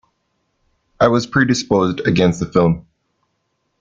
I was predisposed against the film.